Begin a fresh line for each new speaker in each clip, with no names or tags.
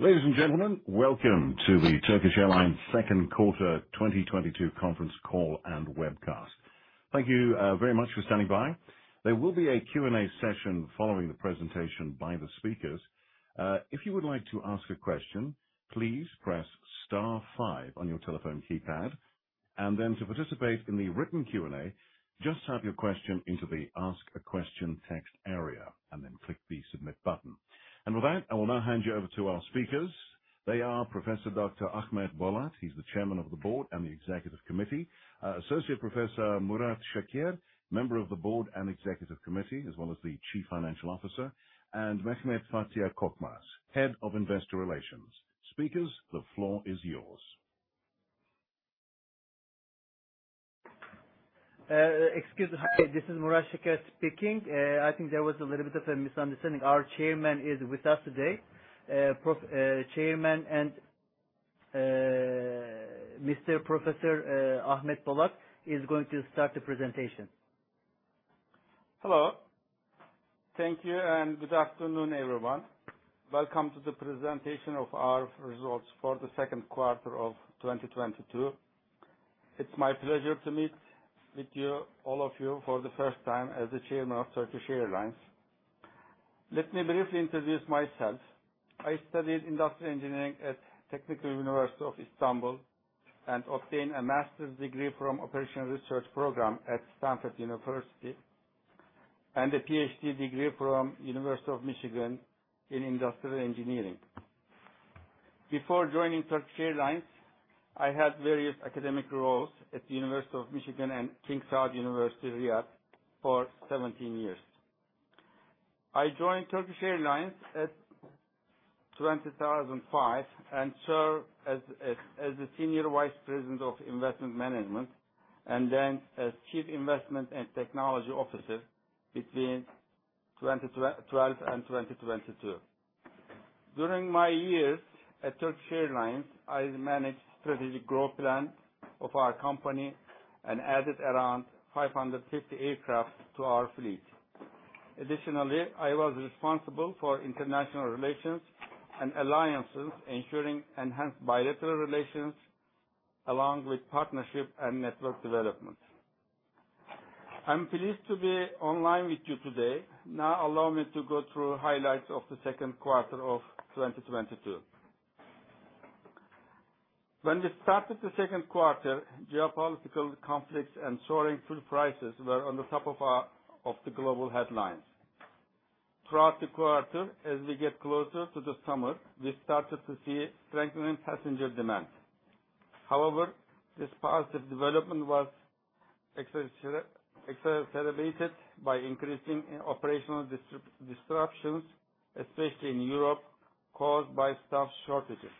Ladies and gentlemen, welcome to the Turkish Airlines Second Quarter 2022 Conference Call and Webcast. Thank you, very much for standing by. There will be a Q&A session following the presentation by the speakers. If you would like to ask a question, please press star five on your telephone keypad. Then to participate in the written Q&A, just type your question into the ask a question text area, and then click the Submit button. With that, I will now hand you over to our speakers. They are Professor Dr. Ahmet Bolat. He's the Chairman of the Board and the Executive Committee. Associate Professor Murat Şeker, Member of the Board and Executive Committee, as well as the Chief Financial Officer. Mehmet Fatih Korkmaz, Head of Investor Relations. Speakers, the floor is yours.
Excuse me. This is Murat Şeker speaking. I think there was a little bit of a misunderstanding. Our Chairman is with us today. Chairman and Mr. Professor Ahmet Bolat is going to start the presentation.
Hello. Thank you, and good afternoon, everyone. Welcome to the presentation of our results for the second quarter of 2022. It's my pleasure to meet with you, all of you, for the first time as the Chairman of Turkish Airlines. Let me briefly introduce myself. I studied industrial engineering at Istanbul Technical University and obtained a master's degree from Operational Research program at Stanford University, and a PhD degree from University of Michigan in Industrial Engineering. Before joining Turkish Airlines, I had various academic roles at the University of Michigan and King Saud University, Riyadh, for 17 years. I joined Turkish Airlines in 2005, and served as the Senior Vice President of Investment Management, and then as Chief Investment and Technology Officer between 2012 and 2022. During my years at Turkish Airlines, I managed strategic growth plan of our company and added around 550 aircraft to our fleet. Additionally, I was responsible for international relations and alliances, ensuring enhanced bilateral relations along with partnership and network development. I'm pleased to be online with you today. Now allow me to go through highlights of the second quarter of 2022. When we started the second quarter, geopolitical conflicts and soaring food prices were on the top of the global headlines. Throughout the quarter, as we get closer to the summer, we started to see strengthening passenger demand. However, this positive development was accelerated by increasing operational disruptions, especially in Europe, caused by staff shortages.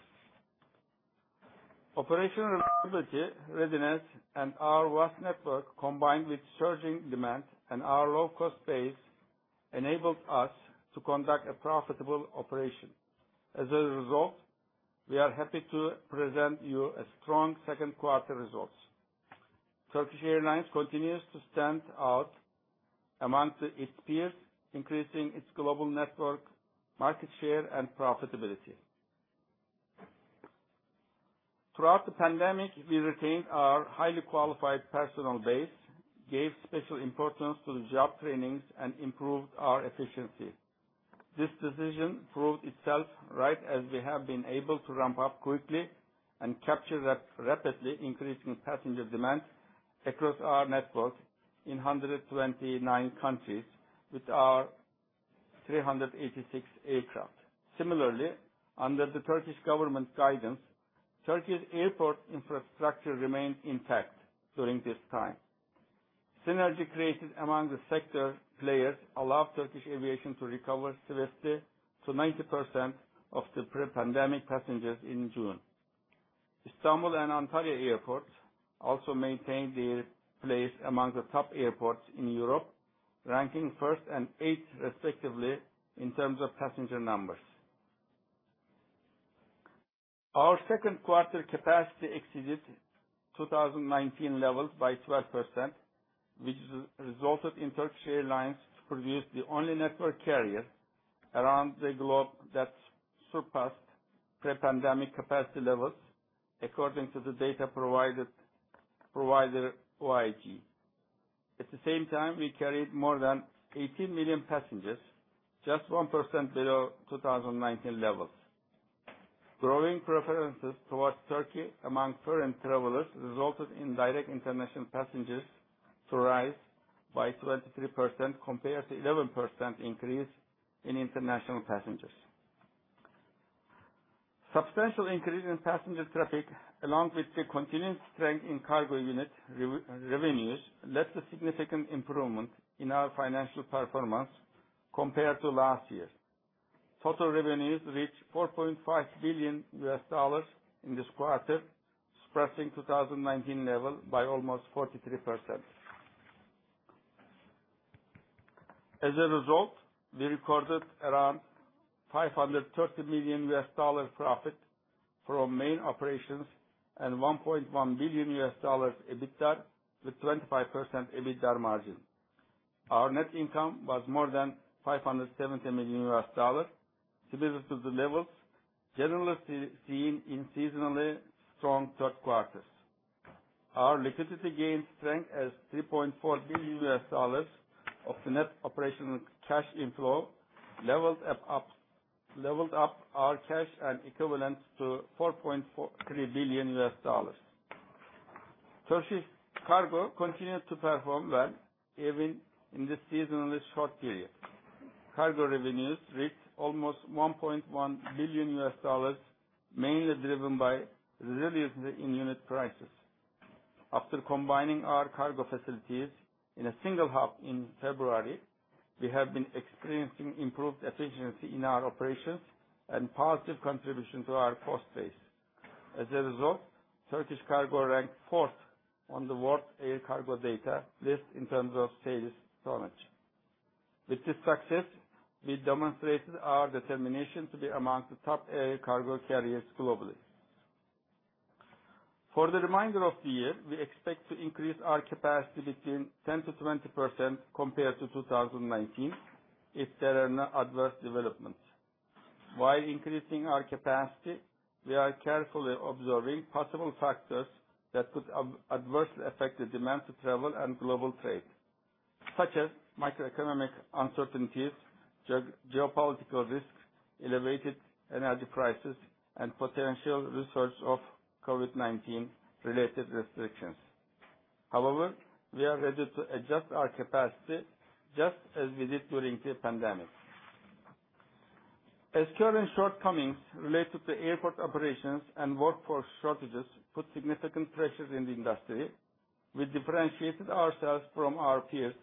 Operational resiliency, readiness, and our vast network, combined with surging demand and our low-cost base, enabled us to conduct a profitable operation. As a result, we are happy to present you a strong second quarter results. Turkish Airlines continues to stand out among its peers, increasing its global network, market share, and profitability. Throughout the pandemic, we retained our highly qualified personnel base, gave special importance to the job trainings, and improved our efficiency. This decision proved itself right as we have been able to ramp up quickly and capture that rapidly increasing passenger demand across our network in 129 countries with our 386 aircraft. Similarly, under the Turkish government guidance, Turkey's airport infrastructure remained intact during this time. Synergy created among the sector players allowed Turkish aviation to recover swiftly to 90% of the pre-pandemic passengers in June. Istanbul and Antalya Airport also maintained their place among the top airports in Europe, ranking first and eighth respectively in terms of passenger numbers. Our second quarter capacity exceeded 2019 levels by 12%, which resulted in Turkish Airlines to produce the only network carrier around the globe that surpassed pre-pandemic capacity levels according to the data provided by OAG. At the same time, we carried more than 18 million passengers, just 1% below 2019 levels. Growing preferences towards Turkey among foreign travelers resulted in direct international passengers to rise by 23% compared to 11% increase in international passengers. Substantial increase in passenger traffic, along with the continuing strength in cargo unit revenues, led to significant improvement in our financial performance compared to last year. Total revenues reached $4.5 billion in this quarter, surpassing 2019 level by almost 43%. As a result, we recorded around $530 million profit from main operations and $1.1 billion EBITDA with 25% EBITDA margin. Our net income was more than $570 million, similar to the levels generally seen in seasonally strong third quarters. Our liquidity gains strength as $3.4 billion of net operational cash inflow leveled up our cash and equivalents to $3 billion. Turkish Cargo continued to perform well, even in this seasonally short period. Cargo revenues reached almost $1.1 billion, mainly driven by resilience in unit prices. After combining our cargo facilities in a single hub in February, we have been experiencing improved efficiency in our operations and positive contribution to our cost base. As a result, Turkish Cargo ranked fourth on the WorldACD list in terms of sales tonnage. With this success, we demonstrated our determination to be among the top air cargo carriers globally. For the remainder of the year, we expect to increase our capacity between 10%-20% compared to 2019 if there are no adverse developments. While increasing our capacity, we are carefully observing possible factors that could adversely affect the demand to travel and global trade, such as macroeconomic uncertainties, geopolitical risks, elevated energy prices, and potential recurrence of COVID-19 related restrictions. However, we are ready to adjust our capacity just as we did during the pandemic. As current shortcomings related to airport operations and workforce shortages put significant pressures in the industry, we differentiated ourselves from our peers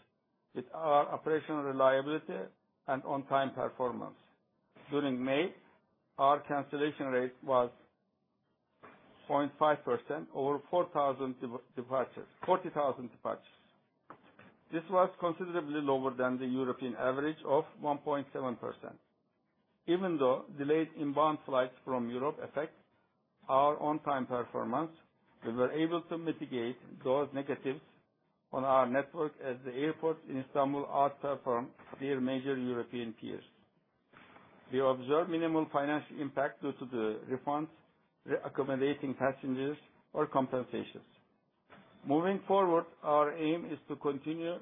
with our operational reliability and on-time performance. During May, our cancellation rate was 0.5% over 40,000 departures. This was considerably lower than the European average of 1.7%. Even though delayed inbound flights from Europe affect our on-time performance, we were able to mitigate those negatives on our network as the airports in Istanbul outperform their major European peers. We observe minimal financial impact due to the refunds, reaccommodating passengers or compensations. Moving forward, our aim is to continue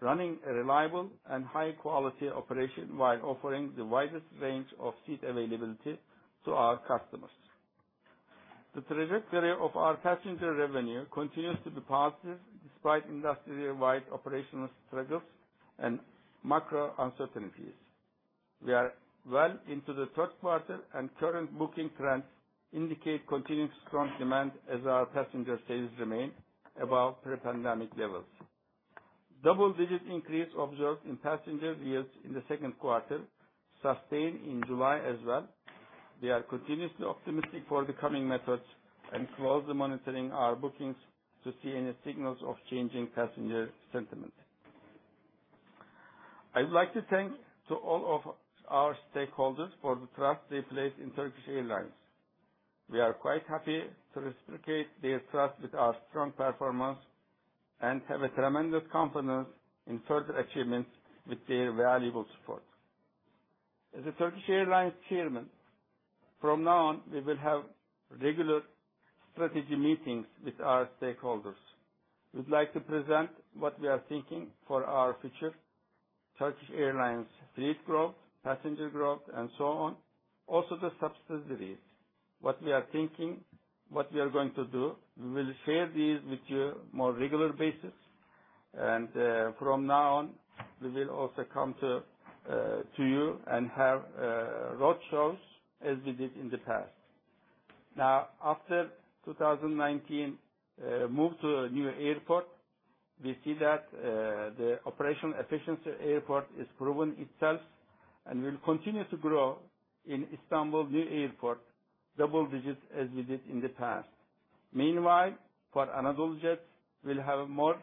running a reliable and high-quality operation while offering the widest range of seat availability to our customers. The trajectory of our passenger revenue continues to be positive despite industry-wide operational struggles and macro uncertainties. We are well into the third quarter, and current booking trends indicate continued strong demand as our passenger sales remain above pre-pandemic levels. Double-digit increase observed in passenger yields in the second quarter sustained in July as well. We are continuously optimistic for the coming months and closely monitoring our bookings to see any signals of changing passenger sentiment. I would like to thank all of our stakeholders for the trust they placed in Turkish Airlines. We are quite happy to reciprocate their trust with our strong performance and have a tremendous confidence in further achievements with their valuable support. As the Turkish Airlines Chairman, from now on, we will have regular strategy meetings with our stakeholders. We'd like to present what we are thinking for our future, Turkish Airlines fleet growth, passenger growth, and so on. Also the subsidiaries, what we are thinking, what we are going to do, we will share this with you on a more regular basis. From now on, we will also come to you and have roadshows as we did in the past. Now, after 2019, move to a new airport, we see that the operational efficiency airport is proven itself and will continue to grow in Istanbul new airport double digits as we did in the past. Meanwhile, for AnadoluJet, we'll have more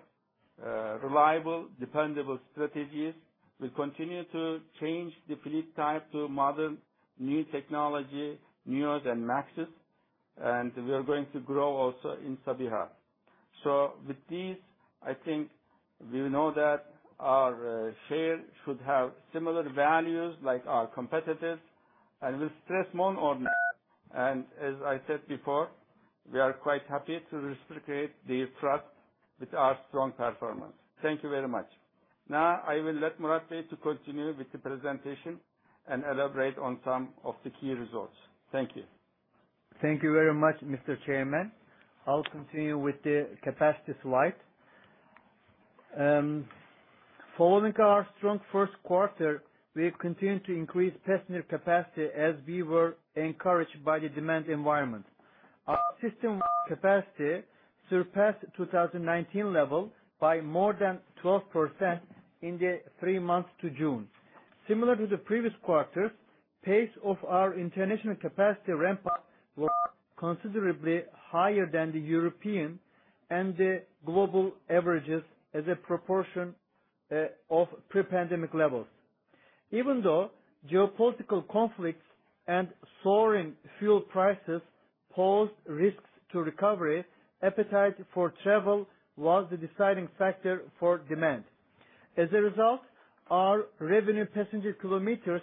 reliable, dependable strategies. We'll continue to change the fleet type to modern, new technology, NEOs and MAXes, and we are going to grow also in Sabiha. With this, I think we know that our share should have similar values like our competitors, and will stress more on that. As I said before, we are quite happy to reciprocate the trust with our strong performance. Thank you very much. Now, I will let Murat to continue with the presentation and elaborate on some of the key results. Thank you.
Thank you very much, Mr. Chairman. I'll continue with the capacity slide. Following our strong first quarter, we have continued to increase passenger capacity as we were encouraged by the demand environment. Our system capacity surpassed 2019 level by more than 12% in the three months to June. Similar to the previous quarters, pace of our international capacity ramp-up was considerably higher than the European and the global averages as a proportion of pre-pandemic levels. Even though geopolitical conflicts and soaring fuel prices posed risks to recovery, appetite for travel was the deciding factor for demand. As a result, our revenue passenger kilometers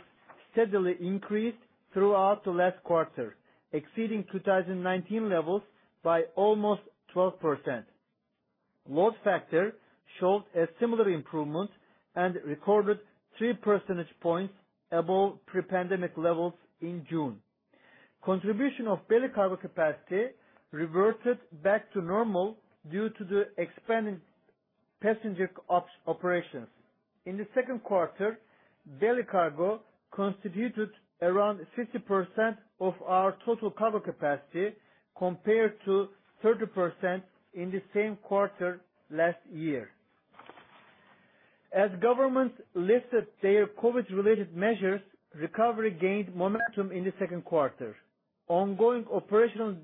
steadily increased throughout the last quarter, exceeding 2019 levels by almost 12%. Load factor showed a similar improvement and recorded 3 percentage points above pre-pandemic levels in June. Contribution of belly cargo capacity reverted back to normal due to the expanding passenger operations. In the second quarter, belly cargo constituted around 50% of our total cargo capacity compared to 30% in the same quarter last year. As governments lifted their COVID-related measures, recovery gained momentum in the second quarter. Ongoing operational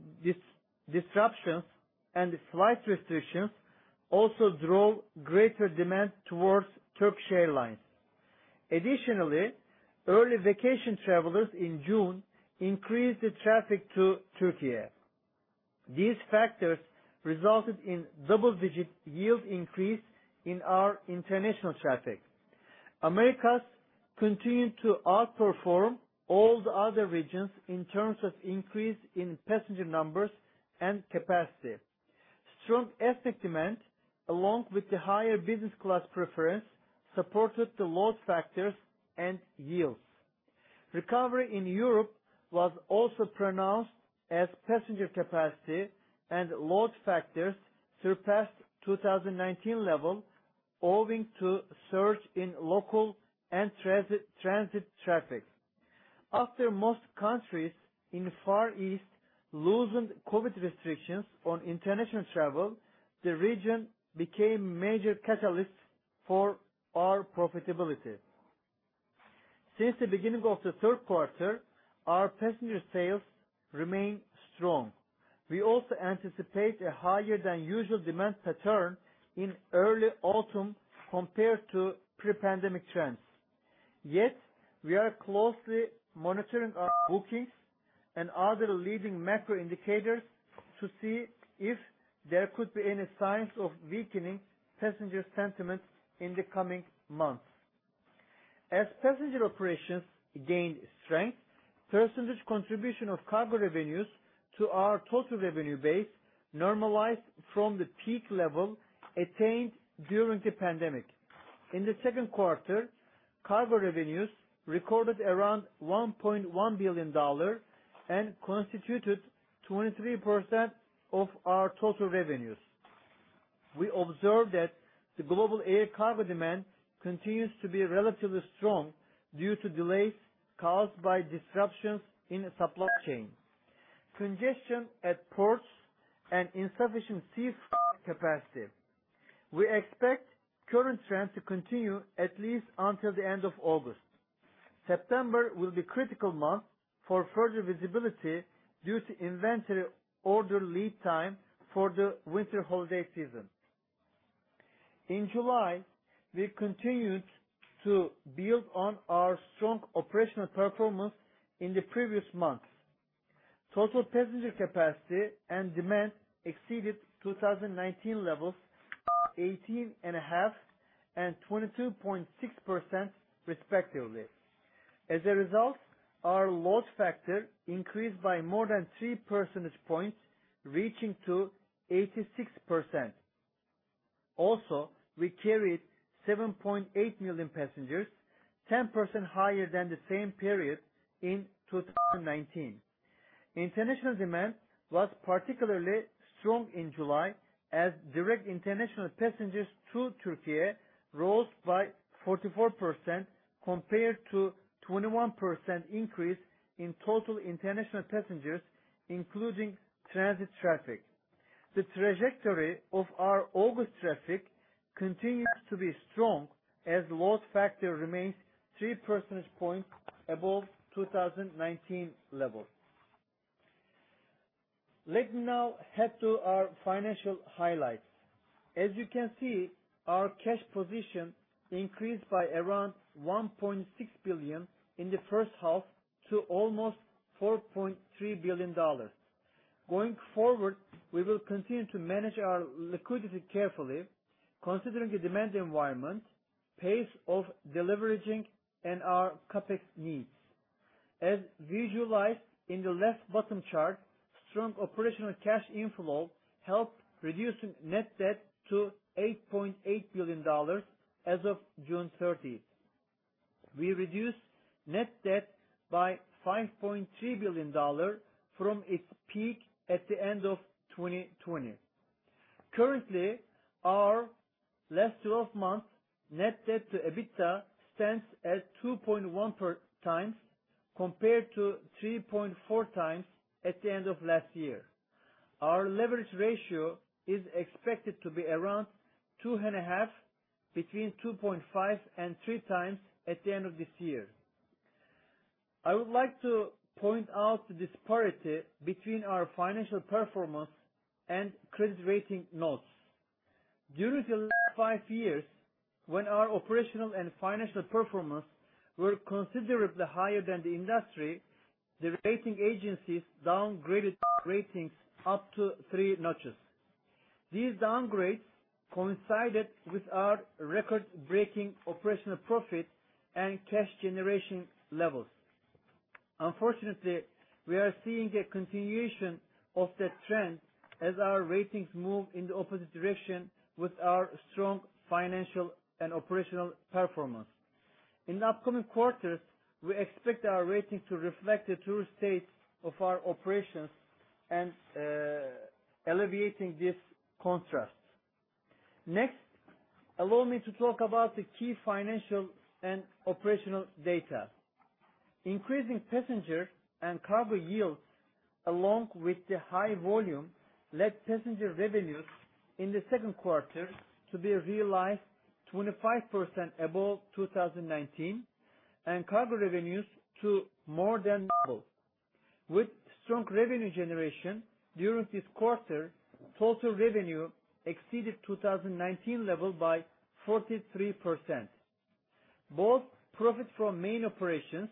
disruptions and flight restrictions also drove greater demand towards Turkish Airlines. Additionally, early vacation travelers in June increased the traffic to Turkey. These factors resulted in double-digit yield increase in our international traffic. Americas continued to outperform all the other regions in terms of increase in passenger numbers and capacity. Strong effective demand, along with the higher business class preference, supported the load factors and yields. Recovery in Europe was also pronounced as passenger capacity and load factors surpassed 2019 level owing to surge in local and transit traffic. After most countries in the Far East loosened COVID-19 restrictions on international travel, the region became major catalyst for our profitability. Since the beginning of the third quarter, our passenger sales remain strong. We also anticipate a higher than usual demand pattern in early autumn compared to pre-pandemic trends. Yet, we are closely monitoring our bookings and other leading macro indicators to see if there could be any signs of weakening passenger sentiments in the coming months. As passenger operations gained strength, percentage contribution of cargo revenues to our total revenue base normalized from the peak level attained during the pandemic. In the second quarter, cargo revenues recorded around $1.1 billion and constituted 23% of our total revenues. We observed that the global air cargo demand continues to be relatively strong due to delays caused by disruptions in the supply chain, congestion at ports and insufficient sea freight capacity. We expect current trends to continue at least until the end of August. September will be a critical month for further visibility due to inventory order lead time for the winter holiday season. In July, we continued to build on our strong operational performance in the previous months. Total passenger capacity and demand exceeded 2019 levels 18.5 and 22.6% respectively. As a result, our load factor increased by more than 3 percentage points, reaching to 86%. Also, we carried 7.8 million passengers, 10% higher than the same period in 2019. International demand was particularly strong in July as direct international passengers to Turkey rose by 44% compared to 21% increase in total international passengers, including transit traffic. The trajectory of our August traffic continues to be strong as load factor remains three percentage points above 2019 level. Let me now head to our financial highlights. As you can see, our cash position increased by around $1.6 billion in the first half to almost $4.3 billion. Going forward, we will continue to manage our liquidity carefully, considering the demand environment, pace of deleveraging and our CapEx needs. As visualized in the left bottom chart, strong operational cash inflow helped reducing net debt to $8.8 billion as of June thirtieth. We reduced net debt by $5.3 billion from its peak at the end of 2020. Currently, our last 12 months Net Debt to EBITDA stands at 2.1x compared to 3.4x at the end of last year. Our leverage ratio is expected to be around 2.5, between 2.5x and 3x at the end of this year. I would like to point out the disparity between our financial performance and credit rating notches. During the last five years, when our operational and financial performance were considerably higher than the industry, the rating agencies downgraded ratings up to three notches. These downgrades coincided with our record-breaking operational profit and cash generation levels. Unfortunately, we are seeing a continuation of that trend as our ratings move in the opposite direction with our strong financial and operational performance. In the upcoming quarters, we expect our ratings to reflect the true state of our operations and alleviating this contrast. Next, allow me to talk about the key financial and operational data. Increasing passenger and cargo yields, along with the high volume, led passenger revenues in the second quarter to be realized 25% above 2019, and cargo revenues to more than double. With strong revenue generation during this quarter, total revenue exceeded 2019 level by 43%. Both profits from main operations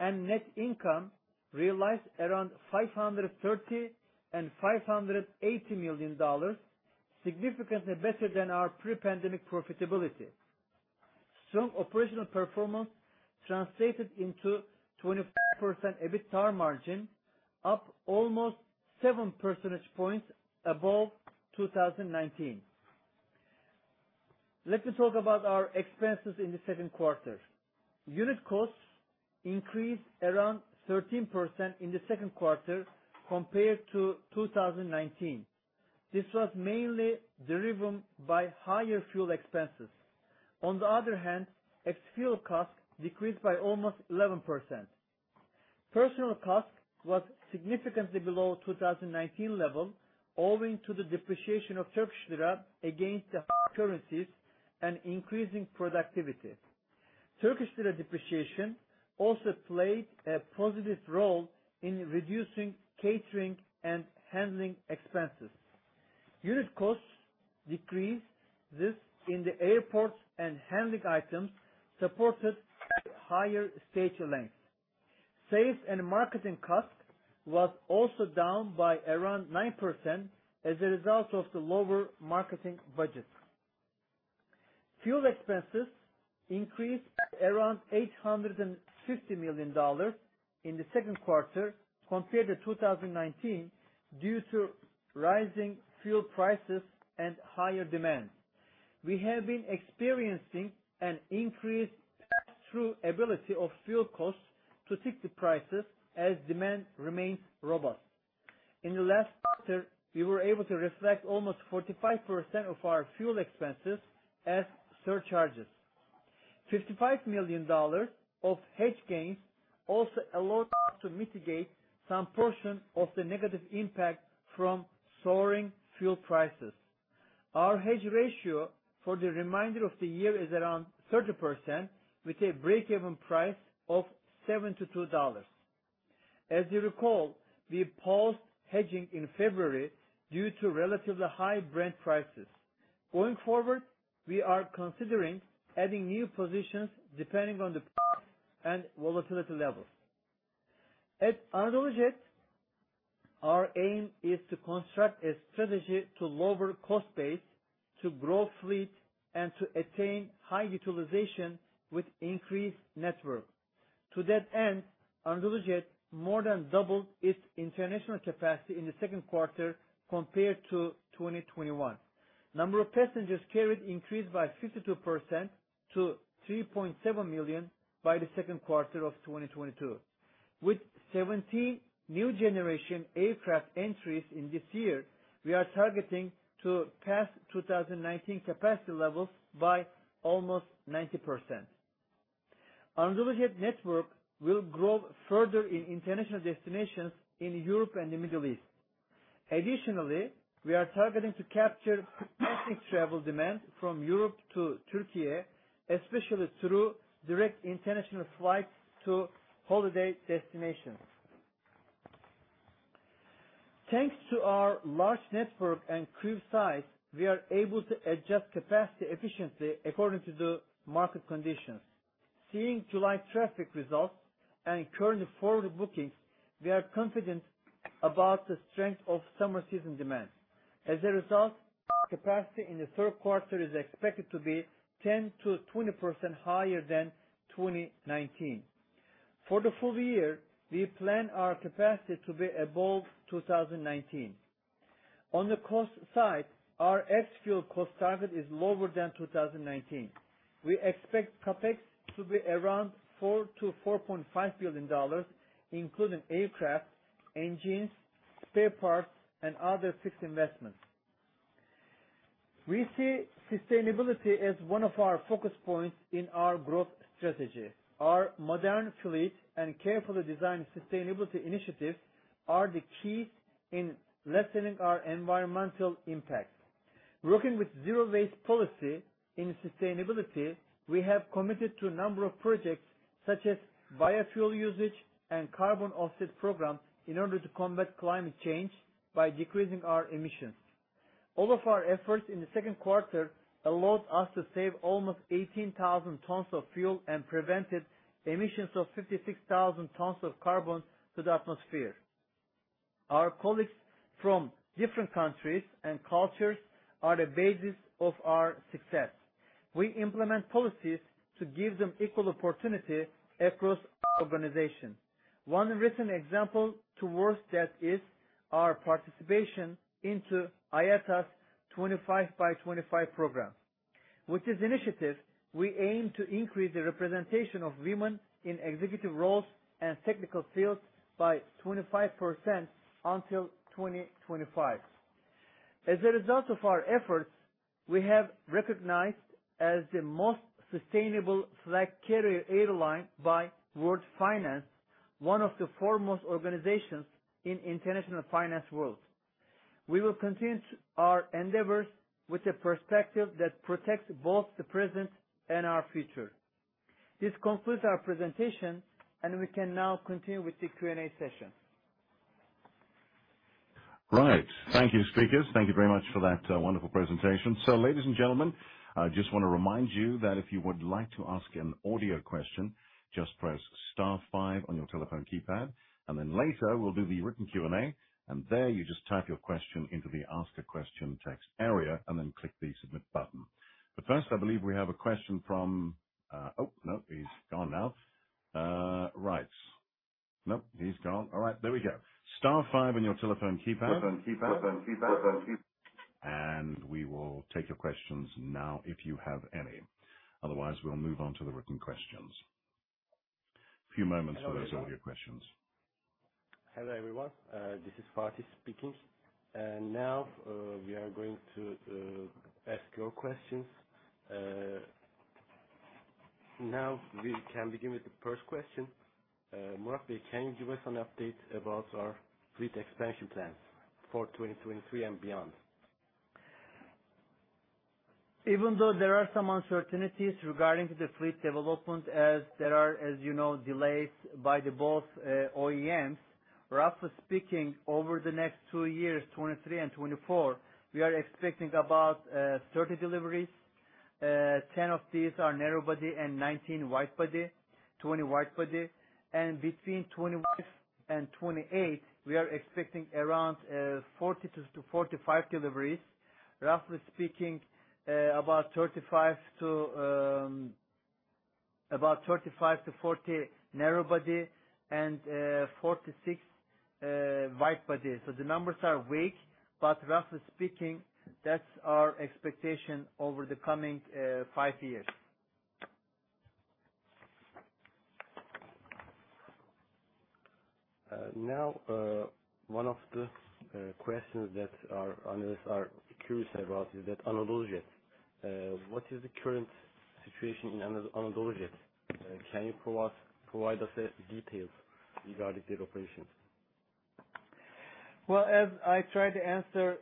and net income realized around $530 million and $580 million, significantly better than our pre-pandemic profitability. Strong operational performance translated into 25% EBITDA margin, up almost seven percentage points above 2019. Let me talk about our expenses in the second quarter. Unit costs increased around 13% in the second quarter compared to 2019. This was mainly driven by higher fuel expenses. On the other hand, ex-fuel costs decreased by almost 11%. Personnel costs was significantly below 2019 level owing to the depreciation of Turkish lira against the currencies and increasing productivity. Turkish lira depreciation also played a positive role in reducing catering and handling expenses. Unit costs decreased in the airports and handling items supported by higher stage length. Sales and marketing costs was also down by around 9% as a result of the lower marketing budgets. Fuel expenses increased around $850 million in the second quarter compared to 2019 due to rising fuel prices and higher demand. We have been experiencing an increased pass-through ability of fuel costs to ticket prices as demand remains robust. In the last quarter, we were able to reflect almost 45% of our fuel expenses as surcharges. $55 million of hedge gains also allowed us to mitigate some portion of the negative impact from soaring fuel prices. Our hedge ratio for the remainder of the year is around 30% with a break-even price of $72. As you recall, we paused hedging in February due to relatively high Brent prices. Going forward, we are considering adding new positions depending on the oil and volatility levels. At AnadoluJet, our aim is to construct a strategy to lower cost base, to grow fleet, and to attain high utilization with increased network. To that end, AnadoluJet more than doubled its international capacity in the second quarter compared to 2021. Number of passengers carried increased by 52% to 3.7 million by the second quarter of 2022. With 70 new generation aircraft entries in this year, we are targeting to pass 2019 capacity levels by almost 90%. AnadoluJet network will grow further in international destinations in Europe and the Middle East. Additionally, we are targeting to capture existing travel demand from Europe to Turkey, especially through direct international flights to holiday destinations. Thanks to our large network and crew size, we are able to adjust capacity efficiently according to the market conditions. Seeing July traffic results and current forward bookings, we are confident about the strength of summer season demand. As a result, capacity in the third quarter is expected to be 10%-20% higher than 2019. For the full year, we plan our capacity to be above 2019. On the cost side, our ex-fuel cost target is lower than 2019. We expect CapEx to be around $4-$4.5 billion, including aircraft, engines, spare parts, and other fixed investments. We see sustainability as one of our focus points in our growth strategy. Our modern fleet and carefully designed sustainability initiatives are the keys in lessening our environmental impact. Working with zero waste policy in sustainability, we have committed to a number of projects such as biofuel usage and carbon offset program in order to combat climate change by decreasing our emissions. All of our efforts in the second quarter allowed us to save almost 18,000 tons of fuel and prevented emissions of 56,000 tons of carbon to the atmosphere. Our colleagues from different countries and cultures are the basis of our success. We implement policies to give them equal opportunity across organization. One recent example towards that is our participation into IATA's 25by2025 program. With this initiative, we aim to increase the representation of women in executive roles and technical fields by 25% until 2025. As a result of our efforts, we have been recognized as the most sustainable flag carrier airline by World Finance, one of the foremost organizations in international finance world. We will continue our endeavors with a perspective that protects both the present and our future. This concludes our presentation, and we can now continue with the Q&A session.
Right. Thank you, speakers. Thank you very much for that, wonderful presentation. Ladies and gentlemen, I just wanna remind you that if you would like to ask an audio question, just press star five on your telephone keypad, and then later we'll do the written Q&A, and there you just type your question into the Ask a Question text area and then click the Submit button. All right, there we go. Star five on your telephone keypad. We will take your questions now if you have any. Otherwise, we'll move on to the written questions. Few moments for those audio questions.
Hello, everyone. This is Fatih speaking. Now we are going to ask your questions. Now we can begin with the first question. Murat, can you give us an update about our fleet expansion plans for 2023 and beyond?
Even though there are some uncertainties regarding the fleet development, as you know, delays by both OEMs, roughly speaking, over the next two years, 2023 and 2024, we are expecting about 30 deliveries. Ten of these are narrow body and 20 wide body. Between 2025 and 2028, we are expecting around 40-45 deliveries. Roughly speaking, about 35-40 narrow body and 4-6 wide body. The numbers are weak, but roughly speaking, that's our expectation over the coming five years.
Now, one of the questions that our analysts are curious about is that AnadoluJet. What is the current situation in AnadoluJet? Can you provide us the details regarding their operations?
Well, as I tried to answer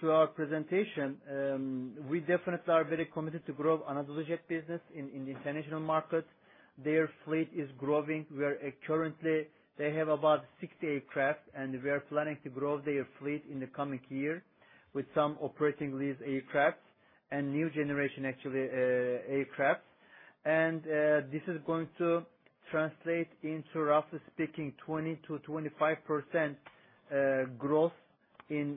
through our presentation, we definitely are very committed to grow AnadoluJet business in the international market. Their fleet is growing. They have about 60 aircraft, and we are planning to grow their fleet in the coming year with some operating lease aircraft and new generation, actually, aircraft. This is going to translate into, roughly speaking, 20%-25% growth in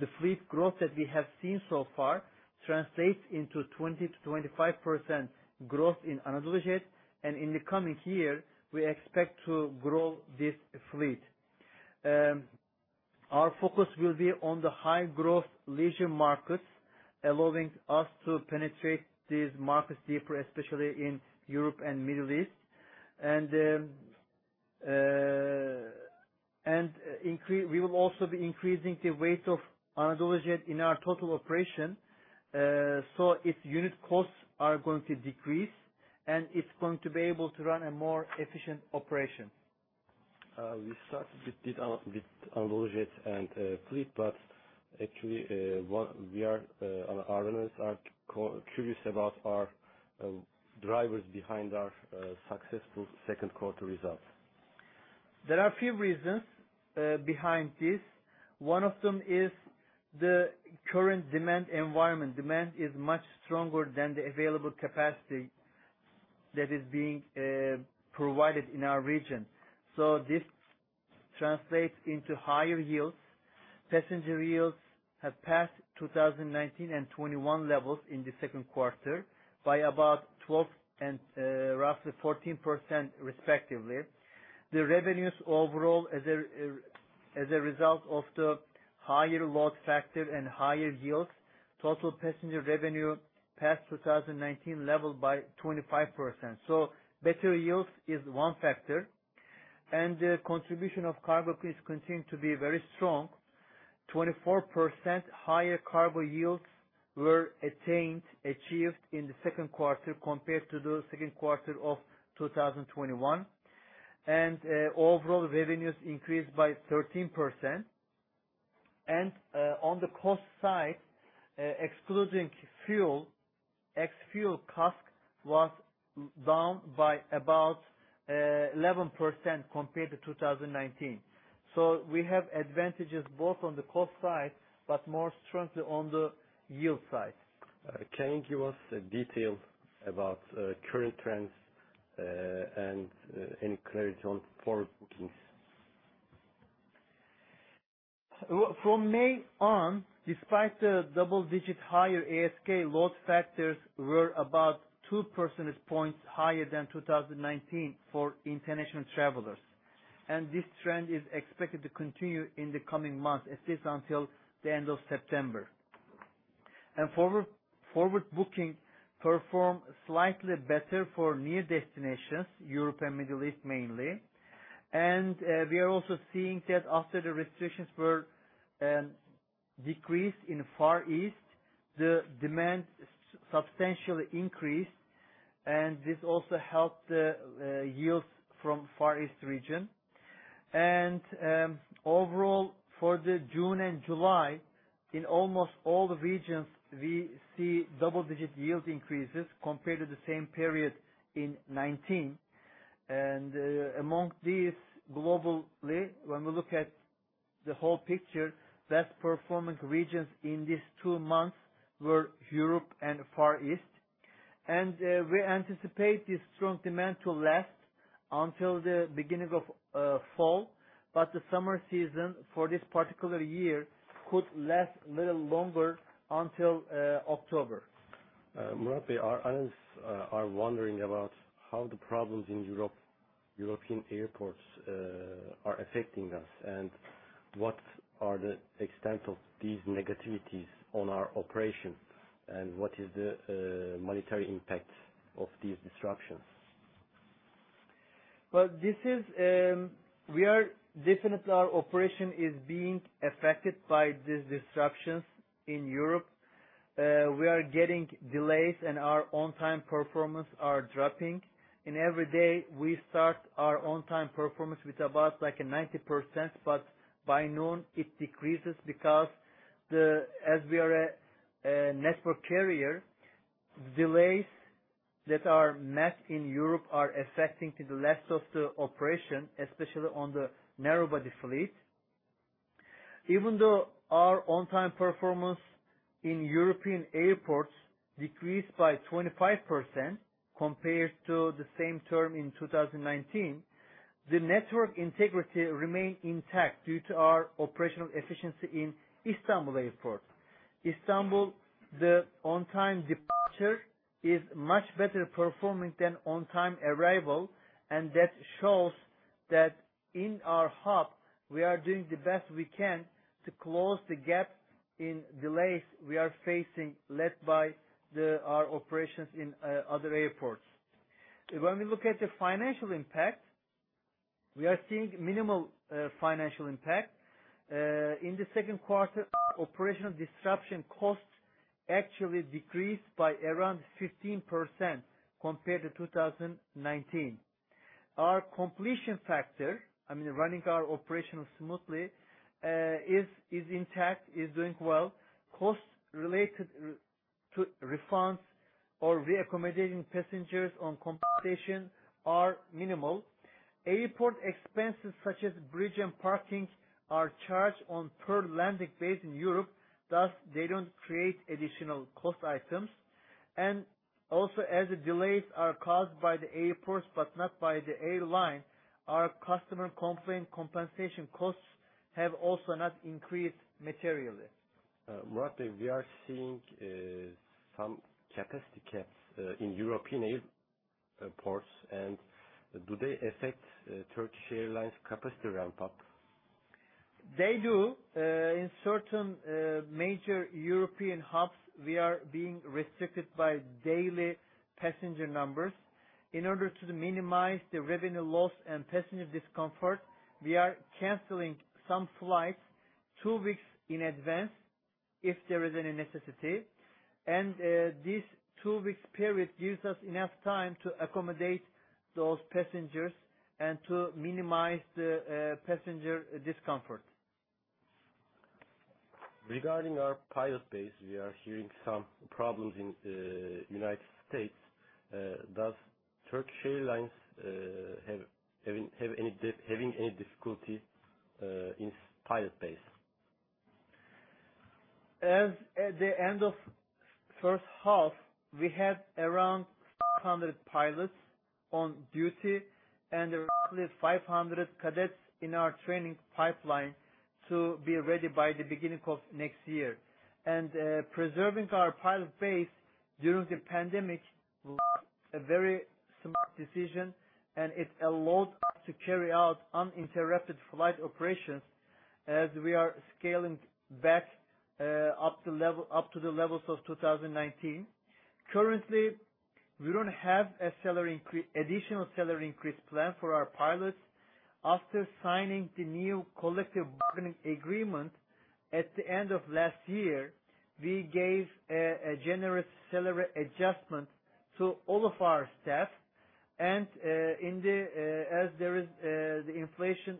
the fleet growth that we have seen so far translates into 20%-25% growth in AnadoluJet. In the coming year, we expect to grow this fleet. Our focus will be on the high-growth leisure markets, allowing us to penetrate these markets deeper, especially in Europe and Middle East. We will also be increasing the weight of AnadoluJet in our total operation, so its unit costs are going to decrease, and it's going to be able to run a more efficient operation.
We started with AnadoluJet and fleet, but actually, our analysts are curious about our drivers behind our successful second quarter results.
There are a few reasons behind this. One of them is the current demand environment. Demand is much stronger than the available capacity that is being provided in our region. This translates into higher yields. Passenger yields have passed 2019 and 2021 levels in the second quarter by about 12 and roughly 14% respectively. The revenues overall, as a result of the higher load factor and higher yields, total passenger revenue passed 2019 level by 25%. Better yields is one factor. The contribution of cargo fees continue to be very strong. 24% higher cargo yields were attained, achieved in the second quarter compared to the second quarter of 2021. Overall revenues increased by 13%. On the cost side, excluding fuel, ex-fuel CASK was down by about 11% compared to 2019. We have advantages both on the cost side, but more strongly on the yield side.
Can you give us details about current trends, and any clarity on forward bookings?
From May on, despite the double-digit higher ASK, load factors were about two percentage points higher than 2019 for international travelers. This trend is expected to continue in the coming months, at least until the end of September. Forward booking performed slightly better for near destinations, Europe and Middle East mainly. We are also seeing that after the restrictions were decreased in Far East, the demand substantially increased, and this also helped the yields from Far East region. Overall, for June and July, in almost all the regions, we see double-digit yield increases compared to the same period in 2019. Among these globally, when we look at the whole picture, best performing regions in these two months were Europe and Far East. We anticipate this strong demand to last until the beginning of fall, but the summer season for this particular year could last little longer until October.
Murat, our analysts are wondering about how the problems in Europe, European airports, are affecting us, and what are the extent of these negativities on our operation, and what is the monetary impact of these disruptions?
Definitely our operation is being affected by these disruptions in Europe. We are getting delays, and our on-time performance are dropping. Every day, we start our on-time performance with about like 90%, but by noon it decreases because, as we are a network carrier, delays that are met in Europe are affecting to the rest of the operation, especially on the narrow body fleet. Even though our on-time performance in European airports decreased by 25% compared to the same term in 2019, the network integrity remained intact due to our operational efficiency in Istanbul Airport. Istanbul, the on-time departure is much better performing than on-time arrival, and that shows that in our hub we are doing the best we can to close the gap in delays we are facing, led by our operations in other airports. When we look at the financial impact, we are seeing minimal financial impact. In the second quarter, operational disruption costs actually decreased by around 15% compared to 2019. Our completion factor, I mean, running our operations smoothly, is intact, doing well. Costs related to refunds or re-accommodating passengers and compensation are minimal. Airport expenses, such as bridge and parking, are charged on per landing basis in Europe, thus they don't create additional cost items. Also, as the delays are caused by the airports but not by the airline, our customer complaint compensation costs have also not increased materially.
Murat, we are seeing some capacity caps in European airports, and do they affect Turkish Airlines capacity ramp up?
They do. In certain major European hubs, we are being restricted by daily passenger numbers. In order to minimize the revenue loss and passenger discomfort, we are canceling some flights two weeks in advance if there is any necessity. This two weeks period gives us enough time to accommodate those passengers and to minimize the passenger discomfort.
Regarding our pilot base, we are hearing some problems in United States. Does Turkish Airlines have any difficulty in pilot base?
As of the end of the first half, we had around 100 pilots on duty and roughly 500 cadets in our training pipeline to be ready by the beginning of next year. Preserving our pilot base during the pandemic was a very smart decision, and it allows us to carry out uninterrupted flight operations as we are scaling up to the levels of 2019. Currently, we don't have an additional salary increase plan for our pilots. After signing the new collective bargaining agreement at the end of last year, we gave a generous salary adjustment to all of our staff. As the inflation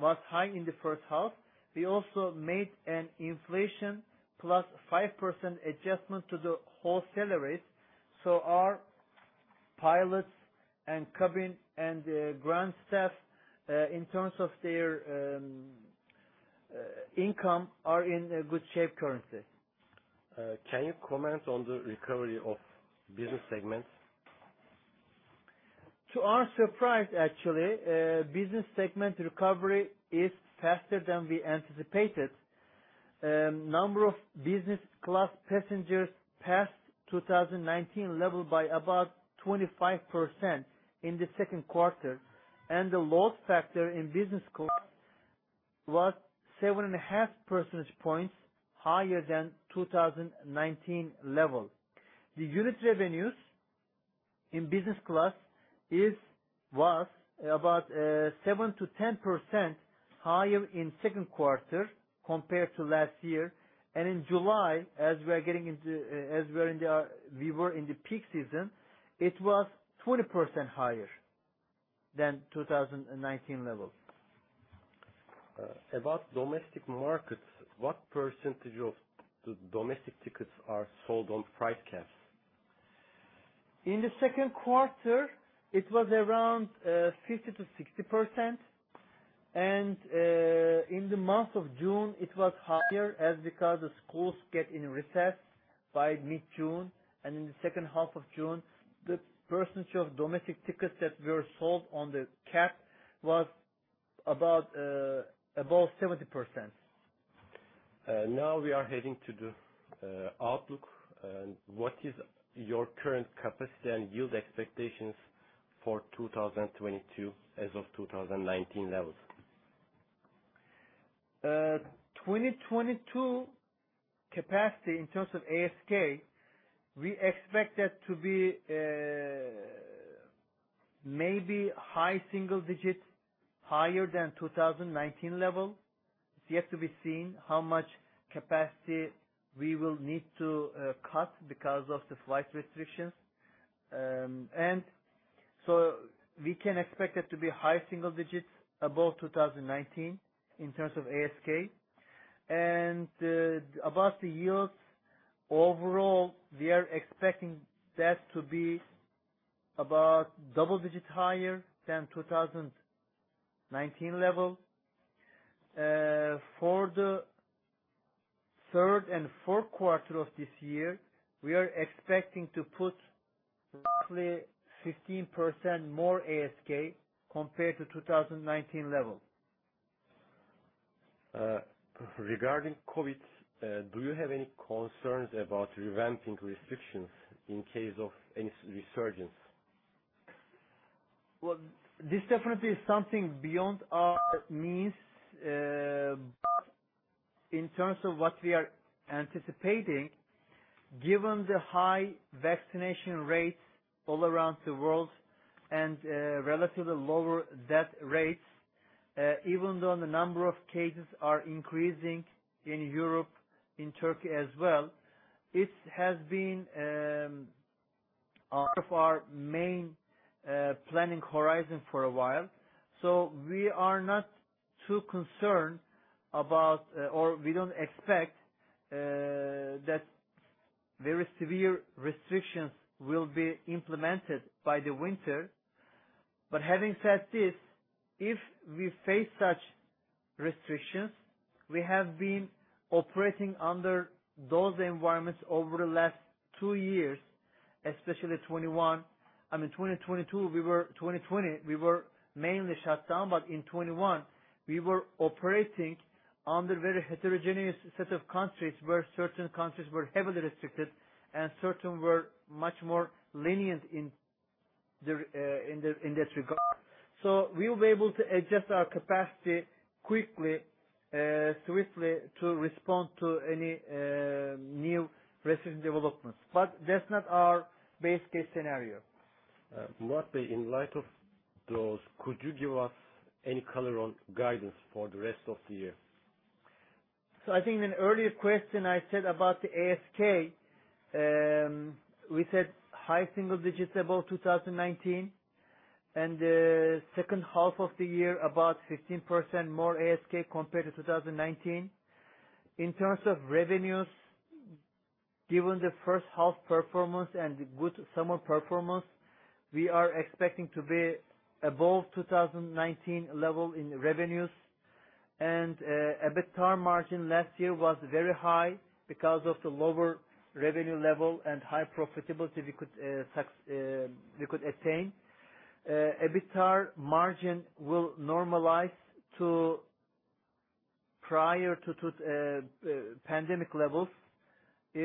was high in the first half, we also made an inflation plus 5% adjustment to the whole salary. Our pilots and cabin and the ground staff, in terms of their income, are in a good shape currently.
Can you comment on the recovery of business segments?
To our surprise, actually, business segment recovery is faster than we anticipated. Number of business class passengers passed 2019 level by about 25% in the second quarter, and the load factor in business class was 7.5 percentage points higher than 2019 level. The unit revenues in business class was about seven to ten percent higher in second quarter compared to last year. In July, as we were in the peak season, it was 20% higher than 2019 level.
About domestic markets, what percentage of the domestic tickets are sold on price caps?
In the second quarter, it was around 50%-60%. In the month of June, it was higher because the schools get in recess by mid-June, and in the second half of June, the percentage of domestic tickets that were sold on the app was about above 70%.
Now we are heading to the outlook. What is your current capacity and yield expectations for 2022 as of 2019 levels?
2022 capacity in terms of ASK, we expect that to be maybe high single digits, higher than 2019 level. It's yet to be seen how much capacity we will need to cut because of the flight restrictions. We can expect it to be high single digits above 2019 in terms of ASK. About the yields, overall, we are expecting that to be about double-digit higher than 2019 level. For the third and fourth quarter of this year, we are expecting to put roughly 15% more ASK compared to 2019 level.
Regarding COVID, do you have any concerns about reimposing restrictions in case of any resurgence?
Well, this definitely is something beyond our means. In terms of what we are anticipating, given the high vaccination rates all around the world and relatively lower death rates, even though the number of cases are increasing in Europe, in Turkey as well, it has been out of our main planning horizon for a while. We are not too concerned about, or we don't expect, that very severe restrictions will be implemented by the winter. Having said this, if we face such restrictions, we have been operating under those environments over the last two years, especially 2021. I mean, 2022 we were. 2020, we were mainly shut down, but in 2021 we were operating under very heterogeneous set of countries where certain countries were heavily restricted and certain were much more lenient in this regard. We will be able to adjust our capacity quickly, swiftly to respond to any new recent developments. That's not our base case scenario.
Murat, in light of those, could you give us any color on guidance for the rest of the year?
I think in the earlier question I said about the ASK, we said high single digits% above 2019. The second half of the year, about 15% more ASK compared to 2019. In terms of revenues, given the first half performance and the good summer performance, we are expecting to be above 2019 level in revenues. EBITDA margin last year was very high because of the lower revenue level and high profitability we could attain. EBITDA margin will normalize to pre-pandemic levels. That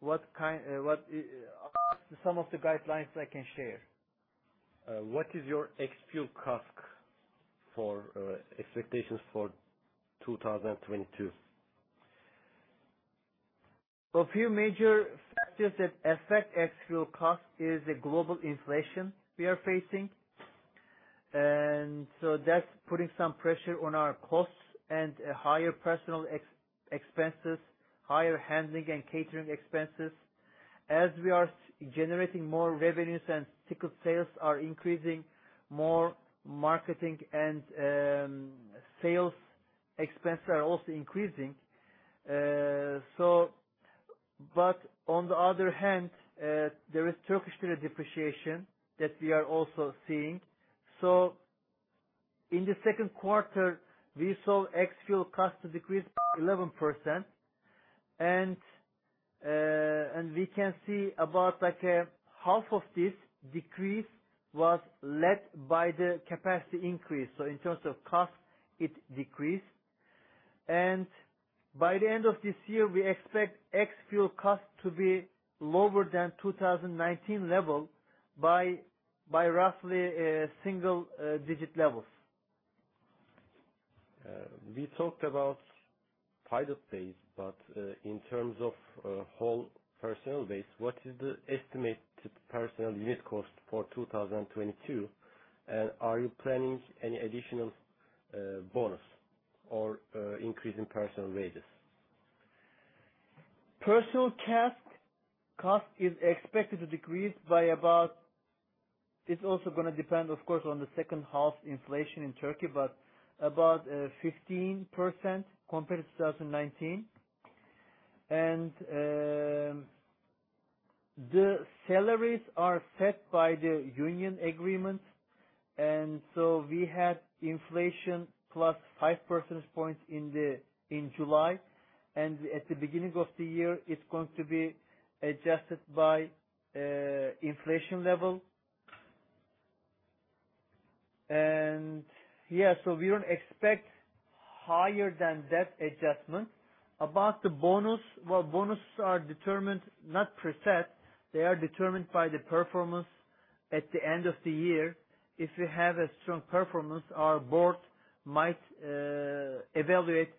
is some of the guidelines I can share.
What is your ex-fuel CASK for expectations for 2022?
A few major factors that affect ex-fuel cost is the global inflation we are facing. That's putting some pressure on our costs and higher personnel expenses, higher handling and catering expenses. As we are generating more revenues and ticket sales are increasing, more marketing and sales expenses are also increasing. On the other hand, there is Turkish lira depreciation that we are also seeing. In the second quarter, we saw ex-fuel costs decrease 11%. We can see about like half of this decrease was led by the capacity increase. In terms of cost, it decreased. By the end of this year, we expect ex-fuel costs to be lower than 2019 level by roughly single-digit levels.
We talked about pilot pay, but in terms of whole personnel base, what is the estimated personnel unit cost for 2022? Are you planning any additional bonus or increase in personnel wages?
Personnel cost is expected to decrease by about 15% compared to 2019. It's also gonna depend, of course, on the second half inflation in Turkey. The salaries are set by the union agreements. We had inflation plus 5 percentage points in July. At the beginning of the year, it's going to be adjusted by inflation level. We don't expect higher than that adjustment. About the bonus, well, bonuses are determined, not preset. They are determined by the performance at the end of the year. If we have a strong performance, our board might evaluate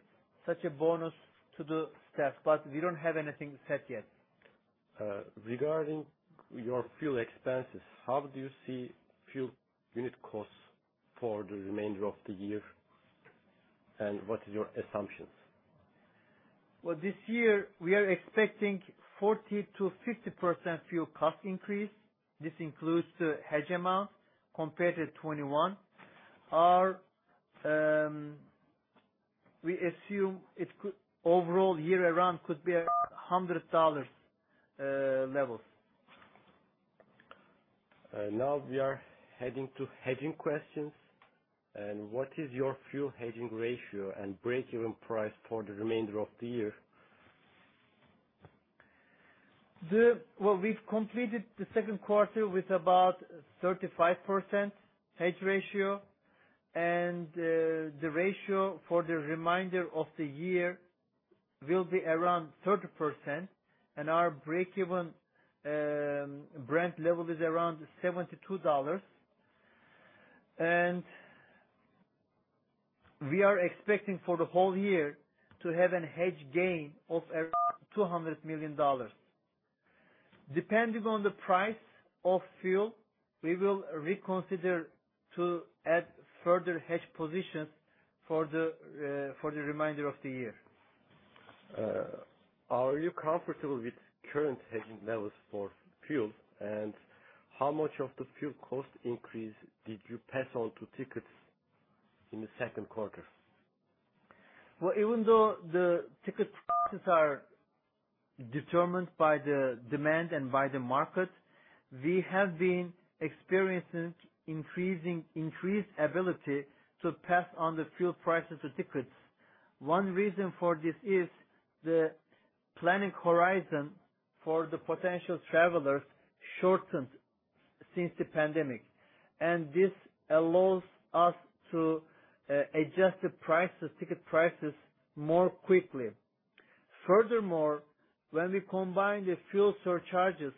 such a bonus to the staff. We don't have anything set yet.
Regarding your fuel expenses, how do you see fuel unit costs for the remainder of the year, and what is your assumptions?
Well, this year we are expecting 40%-50% fuel cost increase. This includes the hedge amount compared to 2021. We assume it could overall year around be $100 levels.
Now we are heading to hedging questions. What is your fuel hedging ratio and break-even price for the remainder of the year?
Well, we've completed the second quarter with about 35% hedge ratio. The ratio for the remainder of the year will be around 30%. Our break-even Brent level is around $72. We are expecting for the whole year to have a hedge gain of around $200 million. Depending on the price of fuel, we will reconsider to add further hedge positions for the remainder of the year.
Are you comfortable with current hedging levels for fuel? How much of the fuel cost increase did you pass on to tickets in the second quarter?
Well, even though the ticket prices are determined by the demand and by the market, we have been experiencing increased ability to pass on the fuel prices to tickets. One reason for this is the planning horizon for the potential travelers shortened since the pandemic, and this allows us to adjust the ticket prices more quickly. Furthermore, when we combine the fuel surcharges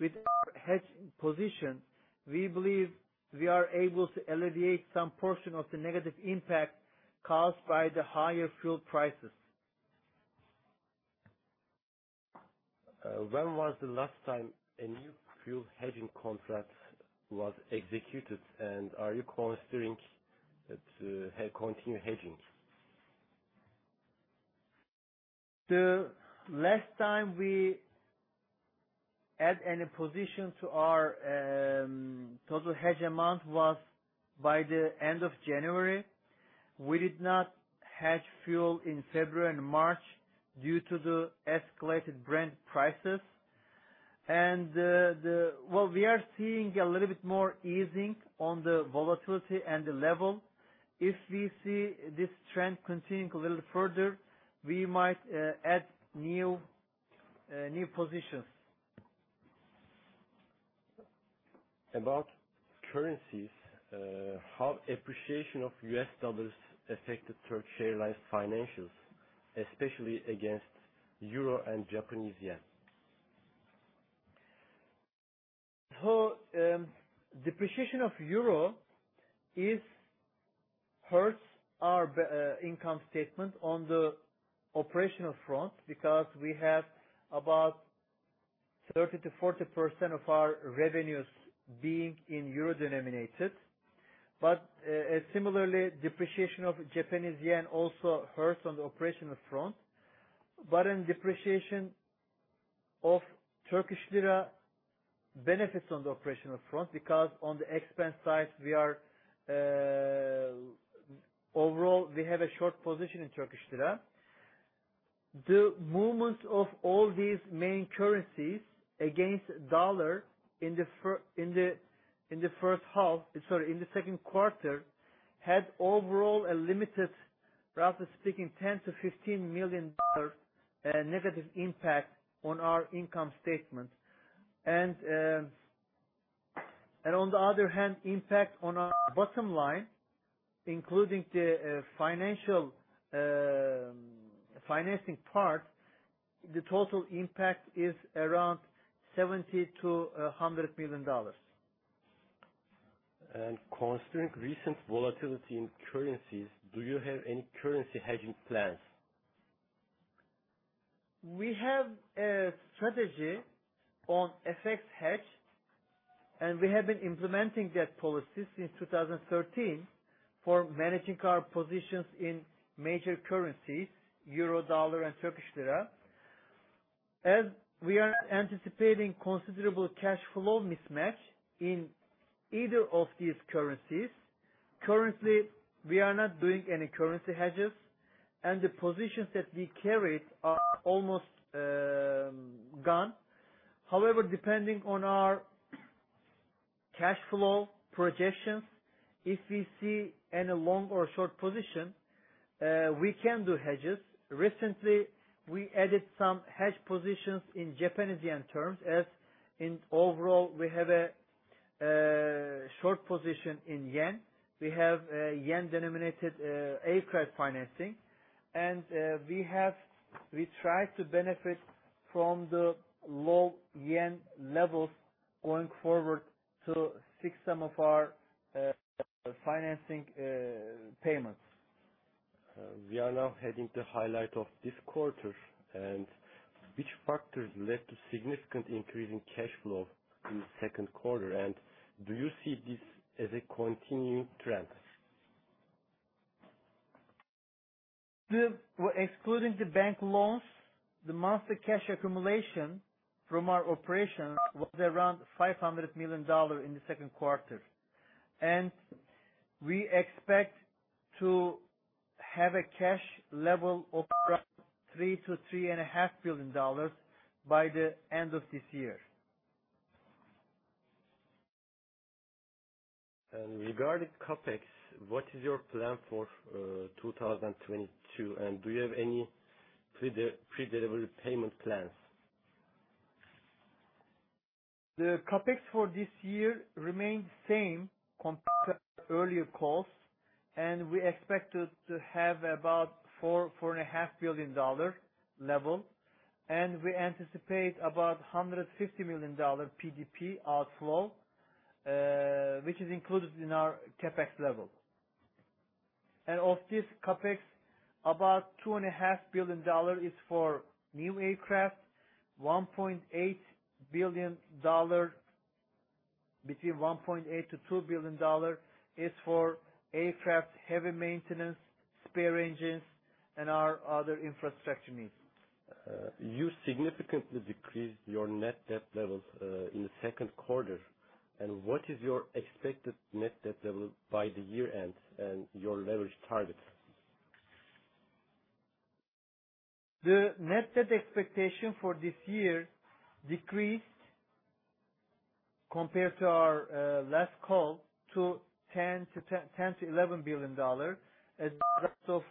with our hedge position, we believe we are able to alleviate some portion of the negative impact caused by the higher fuel prices.
When was the last time a new fuel hedging contract was executed, and are you considering to continue hedging?
The last time we add any position to our total hedge amount was by the end of January. We did not hedge fuel in February and March due to the escalated Brent prices. Well, we are seeing a little bit more easing on the volatility and the level. If we see this trend continuing a little further, we might add new positions.
About currencies, how appreciation of U.S. dollars affected Turkish Airlines financials, especially against euro and Japanese yen?
Depreciation of euro hurts our income statement on the operational front, because we have about 30%-40% of our revenues being in euro-denominated. Similarly, depreciation of Japanese yen also hurts on the operational front. Depreciation of Turkish lira benefits on the operational front because on the expense side we are, overall, we have a short position in Turkish lira. The movement of all these main currencies against dollar in the second quarter had overall a limited, roughly speaking, $10 million-$15 million negative impact on our income statement. On the other hand, impact on our bottom line, including the financial financing part, the total impact is around $70 million-$100 million.
Considering recent volatility in currencies, do you have any currency hedging plans?
We have a strategy on FX hedge, and we have been implementing that policy since 2013 for managing our positions in major currencies, euro, dollar and Turkish lira. We are anticipating considerable cash flow mismatch in either of these currencies. Currently, we are not doing any currency hedges, and the positions that we carried are almost gone. However, depending on our cash flow projections, if we see any long or short position, we can do hedges. Recently, we added some hedge positions in Japanese yen terms, as overall, we have a short position in yen. We have a yen-denominated aircraft financing. We try to benefit from the low yen levels going forward to fix some of our financing payments.
We are now heading to highlight of this quarter. Which factors led to significant increase in cash flow in the second quarter? Do you see this as a continuing trend?
Excluding the bank loans, the monthly cash accumulation from our operations was around $500 million in the second quarter. We expect to have a cash level of around $3 billion-$3.5 billion by the end of this year.
Regarding CapEx, what is your plan for 2022? Do you have any pre-delivery payment plans?
The CapEx for this year remains same compared to earlier calls, and we expected to have about $4-$4.5 billion level. We anticipate about $150 million PDP outflow, which is included in our CapEx level. Of this CapEx, about $2.5 billion is for new aircraft. $1.8 billion, between $1.8-$2 billion is for aircraft heavy maintenance, spare engines, and our other infrastructure needs.
You significantly decreased your net debt levels in the second quarter. What is your expected net debt level by the year-end and your leverage target?
The net debt expectation for this year decreased compared to our last call to $10-$11 billion as a result of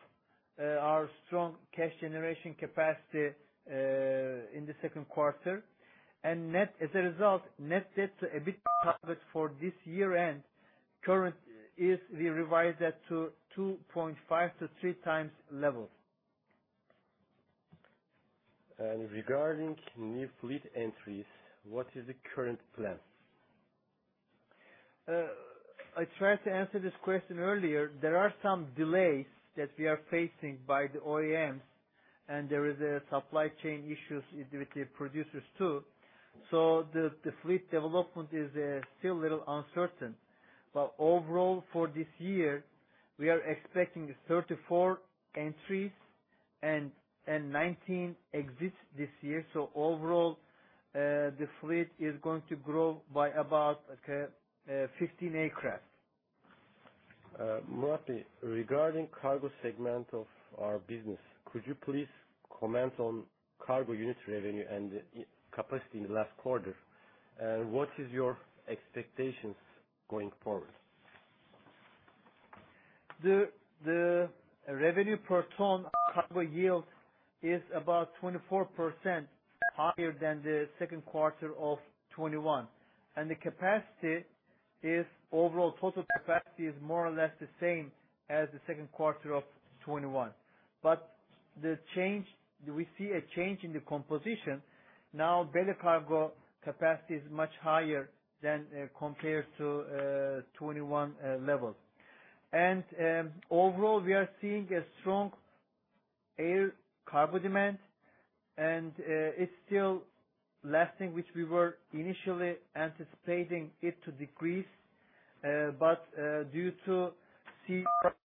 our strong cash generation capacity in the second quarter. As a result, net debt to EBITDA target for this year-end current is we revised that to 2.5-3 times level.
Regarding new fleet entries, what is the current plan?
I tried to answer this question earlier. There are some delays that we are facing by the OEMs, and there is a supply chain issues with the producers too. The fleet development is still a little uncertain. Overall for this year, we are expecting 34 entries and 19 exits this year. Overall, the fleet is going to grow by about 15 aircraft.
Murat, regarding cargo segment of our business, could you please comment on cargo unit revenue and capacity in the last quarter? What is your expectations going forward?
The revenue per ton cargo yield is about 24% higher than the second quarter of 2021. The capacity. If overall total capacity is more or less the same as the second quarter of 2021. The change. We see a change in the composition. Now, belly cargo capacity is much higher than compared to 2021 level. Overall, we are seeing a strong air cargo demand, and it's still lasting, which we were initially anticipating it to decrease. But due to sea-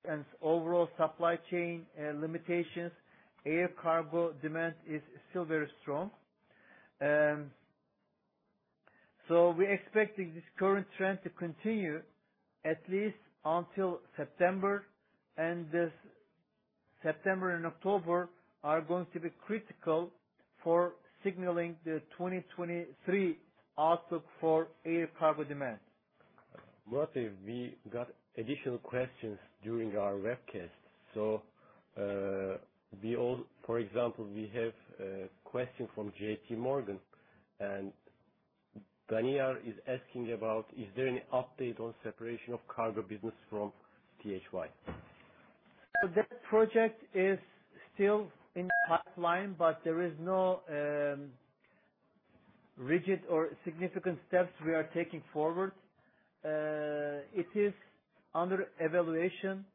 and overall supply chain limitations, air cargo demand is still very strong. We're expecting this current trend to continue at least until September. This September and October are going to be critical for signaling the 2023 outlook for air cargo demand.
Murat, we got additional questions during our webcast. For example, we have a question from JPMorgan, and Daniar is asking about, is there any update on separation of cargo business from THY?
That project is still in the pipeline, but there is no rapid or significant steps we are taking forward. It is under evaluation.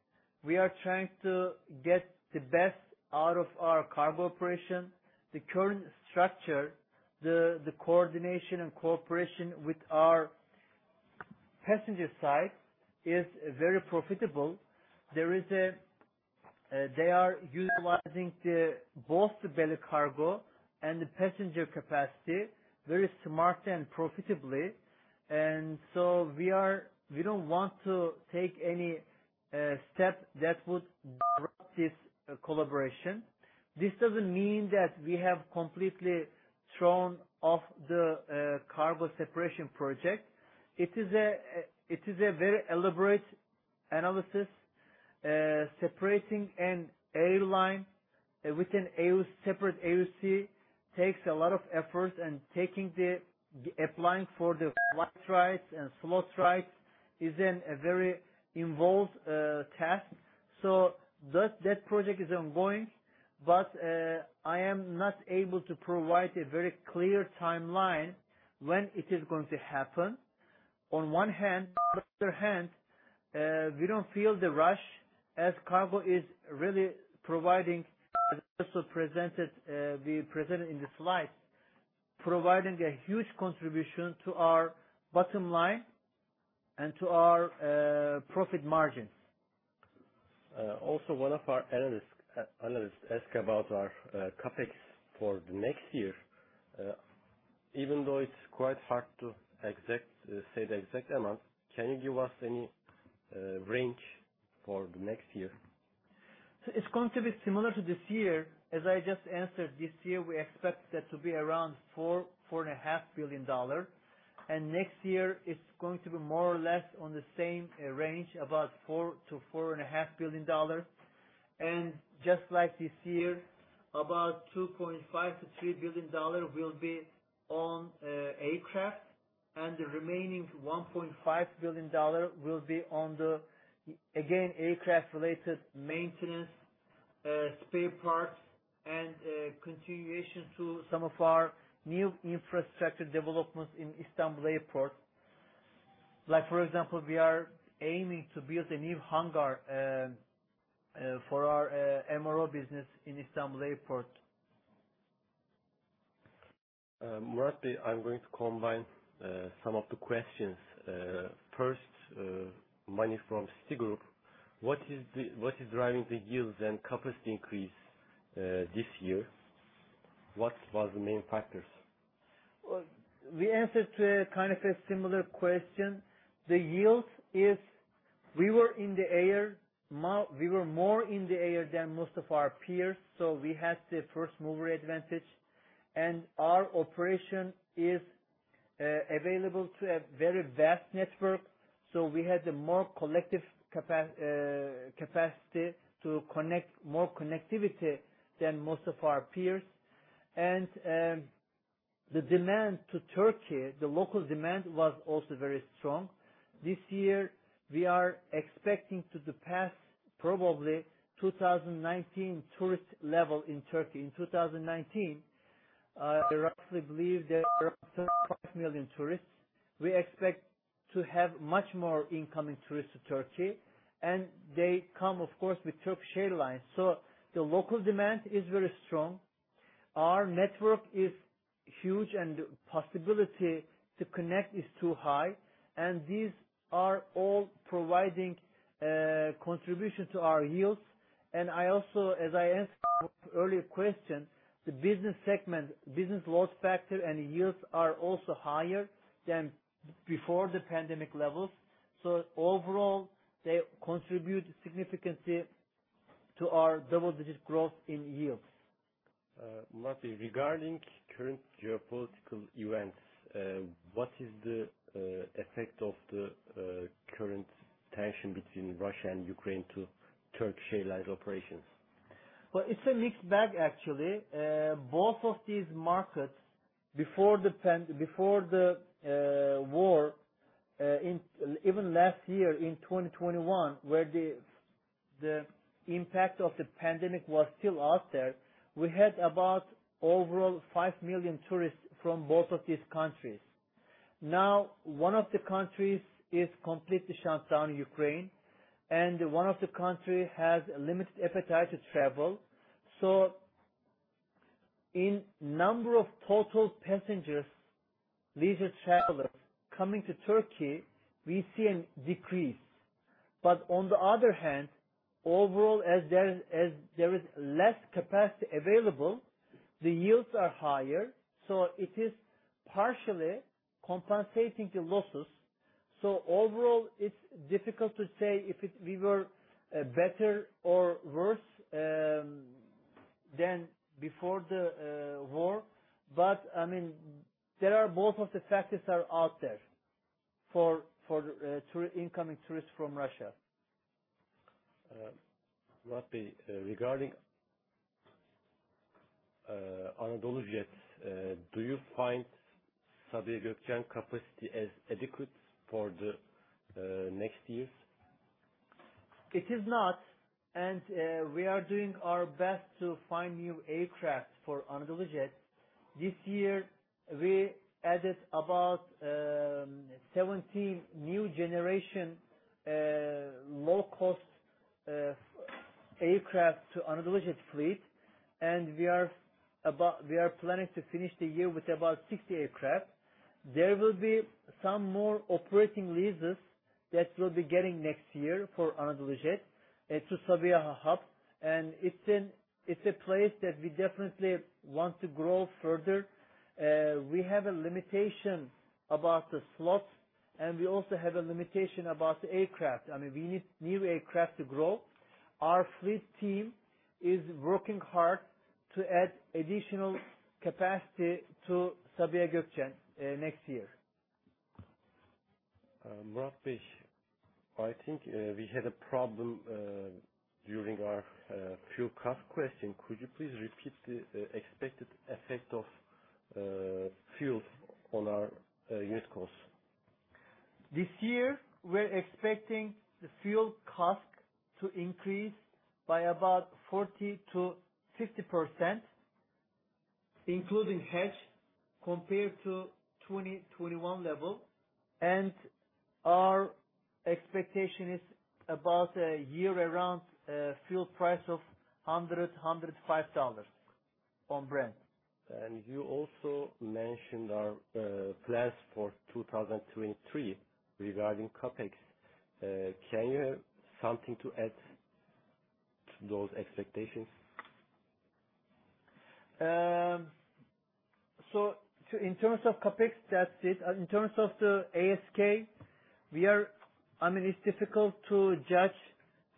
We are trying to get the best out of our cargo operation. The current structure, the coordination and cooperation with our passenger side is very profitable. They are utilizing both the belly cargo and the passenger capacity very smartly and profitably. We don't want to take any step that would disrupt this collaboration. This doesn't mean that we have completely thrown off the cargo separation project. It is a very elaborate analysis, separating an airline with a new separate AOC takes a lot of effort, and applying for the AOC and slot rights is a very involved task. That project is ongoing, but I am not able to provide a very clear timeline when it is going to happen. On one hand, we don't feel the rush as cargo is really providing a huge contribution to our bottom line and to our profit margins, as we presented in the slides.
Also, one of our analysts analysts ask about our CapEx for the next year. Even though it's quite hard to exactly say the exact amount, can you give us any range for the next year?
It's going to be similar to this year. As I just answered, this year, we expect that to be around $4-$4.5 billion. Next year it's going to be more or less on the same range, about $4-$4.5 billion. Just like this year, about $2.5-$3 billion will be on aircraft, and the remaining $1.5 billion will be on the again, aircraft related maintenance, spare parts, and continuation to some of our new infrastructure developments in Istanbul Airport. Like, for example, we are aiming to build a new hangar for our MRO business in Istanbul Airport.
Murat, I'm going to combine some of the questions. First, Munee from Citigroup, what is driving the yields and capacity increase this year? What was the main factors?
Well, we answered to a kind of a similar question. The yields is we were more in the air than most of our peers, so we had the first-mover advantage. Our operation is available to a very vast network, so we had a more collective capacity to connect more connectivity than most of our peers. The demand to Turkey, the local demand was also very strong. This year, we are expecting to surpass probably 2019 tourist level in Turkey. In 2019, I roughly believe there are 5 million tourists. We expect to have much more incoming tourists to Turkey, and they come, of course, with Turkish Airlines. The local demand is very strong. Our network is huge, and possibility to connect is too high, and these are all providing contribution to our yields. I also, as I answered earlier question, the business segment, business load factor and yields are also higher than before the pandemic levels. Overall, they contribute significantly to our double-digit growth in yields.
Murat, regarding current geopolitical events, what is the effect of the current tension between Russia and Ukraine to Turkish Airlines operations?
Well, it's a mixed bag actually. Both of these markets before the war. Even last year in 2021, where the impact of the pandemic was still out there, we had about overall 5 million tourists from both of these countries. Now, one of the countries is completely shut down, Ukraine, and one of the country has a limited appetite to travel. In number of total passengers, leisure travelers coming to Turkey, we see a decrease. On the other hand, overall, as there is less capacity available, the yields are higher, so it is partially compensating the losses. Overall, it's difficult to say if we were better or worse than before the war. I mean, there are both of the factors out there for the incoming tourists from Russia.
Murat, regarding AnadoluJet, do you find Sabiha Gökçen capacity as adequate for the next years?
It is not. We are doing our best to find new aircraft for AnadoluJet. This year, we added about 17 new generation low-cost aircraft to AnadoluJet fleet, and we are planning to finish the year with about 60 aircraft. There will be some more operating leases that we'll be getting next year for AnadoluJet into Sabiha Gökçen hub, and it's a place that we definitely want to grow further. We have a limitation about the slots, and we also have a limitation about the aircraft. I mean, we need new aircraft to grow. Our fleet team is working hard to add additional capacity to Sabiha Gökçen next year.
Murat, I think we had a problem during our fuel cost question. Could you please repeat the expected effect of fuel on our unit costs?
This year, we're expecting the fuel cost to increase by about 40%-50%, including hedge, compared to 2021 level. Our expectation is about 100 around, fuel price of $105 on Brent.
You also mentioned our plans for 2023 regarding CapEx. Can you have something to add to those expectations?
In terms of CapEx, that's it. In terms of the ASK, I mean, it's difficult to judge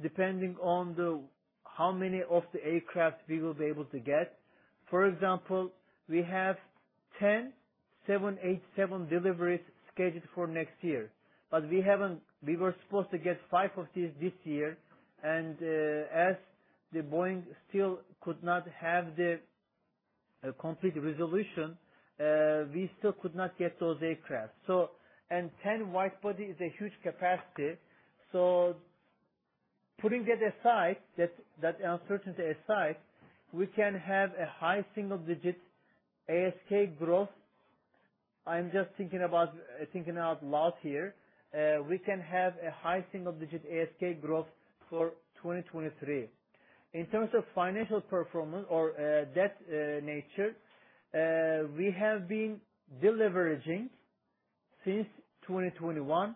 depending on the, how many of the aircraft we will be able to get. For example, we have 10 787 deliveries scheduled for next year, but we haven't. We were supposed to get five of these this year and, as Boeing still could not have the complete resolution, we still could not get those aircraft. Ten wide-body is a huge capacity. Putting that uncertainty aside, we can have a high single digit ASK growth. I'm just thinking out loud here. We can have a high single digit ASK growth for 2023. In terms of financial performance or, debt, nature, we have been deleveraging since 2021.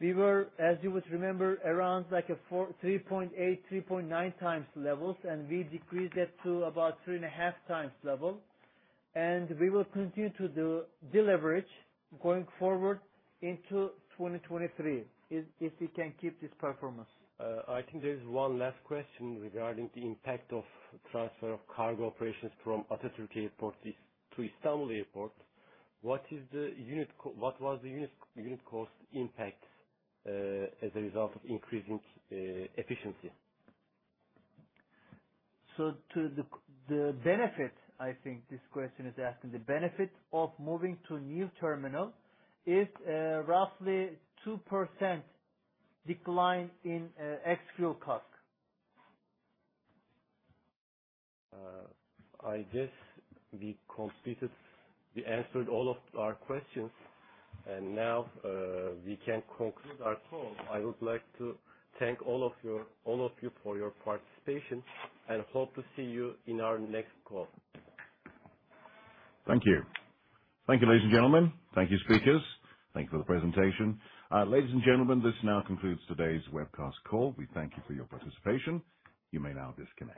We were, as you would remember, around like a 4, 3.8, 3.9 times levels, and we decreased that to about 3.5 times level. We will continue to deleverage going forward into 2023 if we can keep this performance.
I think there is one last question regarding the impact of transfer of cargo operations from Atatürk Airport to Istanbul Airport. What was the unit cost impact as a result of increasing efficiency?
To the benefit, I think this question is asking. The benefit of moving to a new terminal is roughly 2% decline in ex-fuel CASK.
We answered all of our questions, and now we can conclude our call. I would like to thank all of you for your participation and hope to see you in our next call.
Thank you. Thank you, ladies and gentlemen. Thank you, speakers. Thank you for the presentation. Ladies and gentlemen, this now concludes today's webcast call. We thank you for your participation. You may now disconnect.